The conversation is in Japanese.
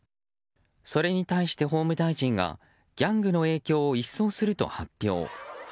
それに対して法務大臣がギャングの影響を一掃すると発表。